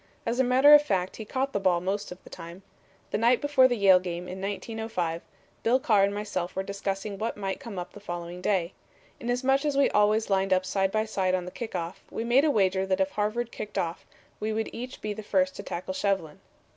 As a matter of fact he caught the ball most of the time. The night before the Yale game in 1905, Bill Carr and myself were discussing what might come up the following day. Inasmuch as we always lined up side by side on the kick off, we made a wager that if Harvard kicked off we would each be the first to tackle Shevlin.